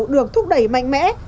được thúc đẩy mạnh mẽ